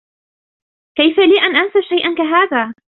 كيف لي أن أنسى شيئا كهذا؟